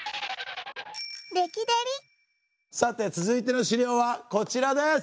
さて続いての資料はこちらです！